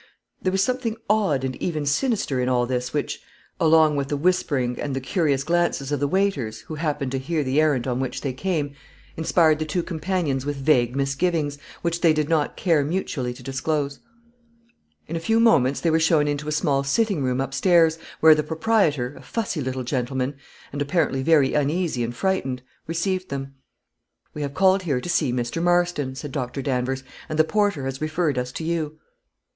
There was something odd and even sinister in all this, which, along with the whispering and the curious glances of the waiters, who happened to hear the errand on which they came, inspired the two companions with vague misgivings, which they did not care mutually to disclose. In a few moments they were shown into a small sitting room up stairs, where the proprietor, a fussy little gentleman, and apparently very uneasy and frightened, received them. "We have called here to see Mr. Marston," said Doctor Danvers, "and the porter has referred us to you."